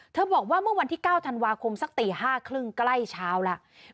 บอกว่าเมื่อวันที่๙ธันวาคมสักตี๕๓๐ใกล้เช้าแล้ว